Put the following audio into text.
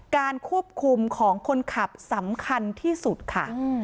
การควบคุมของคนขับสำคัญที่สุดค่ะ